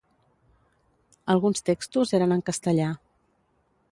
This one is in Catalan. Alguns textos eren en castellà.